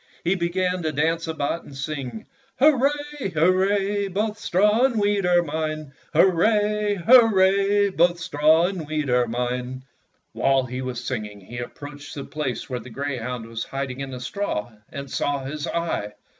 He began to dance about and sing: — "Hurrah, hurrah! Both straw and wheat are mine! Hurrah, hurrah! Both straw and wheat are mine !" While he was singing he approached the place where the greyhound was hiding in the straw, and saw his eye.